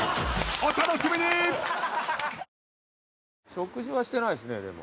食事はしてないですねでも。